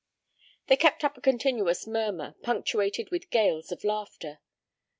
They kept up a continuous murmur, punctuated with gales of laughter.